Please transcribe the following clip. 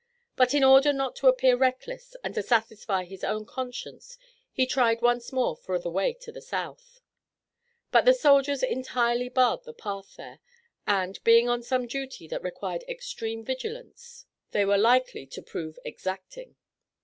But in order not to appear reckless and to satisfy his own conscience he tried once more for the way to the south. But the soldiers entirely barred the path there, and, being on some duty that required extreme vigilance, they were likely to prove exacting.